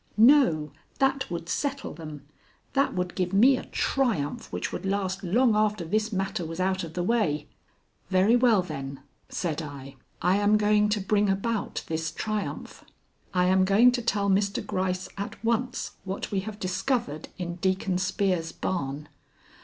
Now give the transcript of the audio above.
"No; that would settle them; that would give me a triumph which would last long after this matter was out of the way." "Very well, then," said I, "I am going to bring about this triumph. I am going to tell Mr. Gryce at once what we have discovered in Deacon Spear's barn."